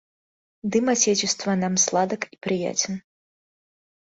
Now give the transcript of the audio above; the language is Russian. Дым отечества нам сладок и приятен.